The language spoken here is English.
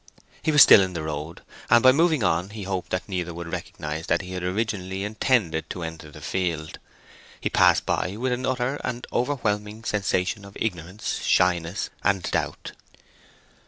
He was still in the road, and by moving on he hoped that neither would recognize that he had originally intended to enter the field. He passed by with an utter and overwhelming sensation of ignorance, shyness, and doubt.